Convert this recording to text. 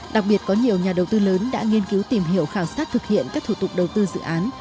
đặc biệt có nhiều nhà đầu tư lớn đã nghiên cứu tìm hiểu khảo sát thực hiện các thủ tục đầu tư dự án